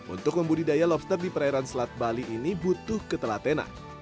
untuk membudidaya lobster di perairan selat bali ini butuh ketelatenan